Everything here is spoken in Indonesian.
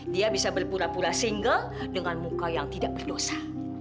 dia bisa berpura pura single dengan muka yang tidak berdosa